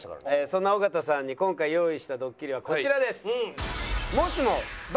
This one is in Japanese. そんな尾形さんに今回用意したドッキリはこちらです。